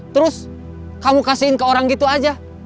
terus kamu kasihin ke orang gitu aja